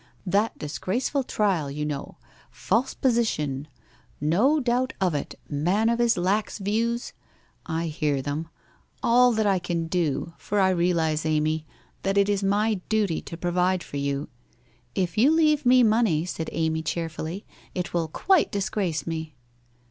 ... That disgraceful trial, you know ... False position !... No doubt of it ... Man of his lax views !" I hear them ! All that I can do — for I realise, Amy, that it is my duty to provide for you '' If you leave me money/ said Amy, cheerfully, ' it will quite disgrace me